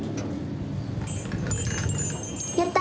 やった！